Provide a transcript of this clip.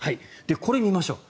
これを見ましょう。